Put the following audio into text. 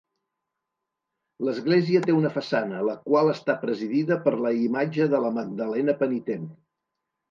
L'església té una façana, la qual està presidida per la imatge de la Magdalena penitent.